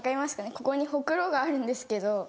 ここにほくろがあるんですけど。